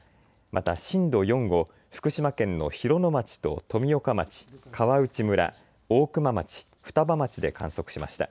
また震度４を福島県の広野町と富岡町、川内村、大熊町、双葉町で観測しました。